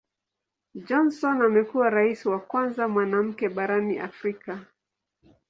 Johnson amekuwa Rais wa kwanza mwanamke barani Afrika.